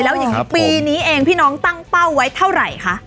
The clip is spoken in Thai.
แล้วอย่างนี้ปีนี้เองพี่น้องตั้งเป้าไว้เท่าไหร่คะ